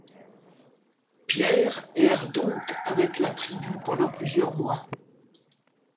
Pierre erre donc avec la tribu pendant plusieurs mois.